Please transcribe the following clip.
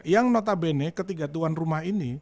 yang notabene ketiga tuan rumah ini